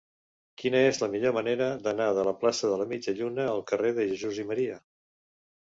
Quina és la millor manera d'anar de la plaça de la Mitja Lluna al carrer de Jesús i Maria?